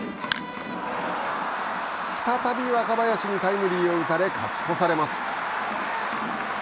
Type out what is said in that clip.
再び若林にタイムリーを打たれ勝ち越されます。